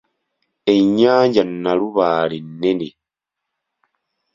Ennyanja Nalubaale nnene.